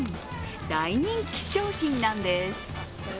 大人気商品なんです。